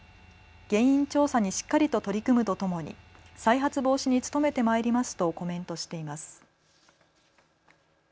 原因調査にしっかりと取り組むとともに再発防止に努めてまいりますとコメントしています。